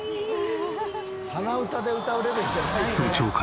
鼻歌で歌うレベルじゃないね。